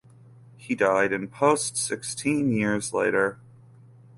He died in post sixteen years later.